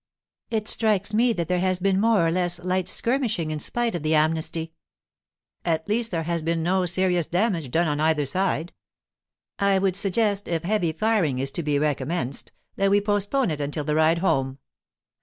'It strikes me that there has been more or less light skirmishing in spite of the amnesty.' 'At least there has been no serious damage done on either side. I would suggest, if heavy firing is to be recommenced, that we postpone it until the ride home.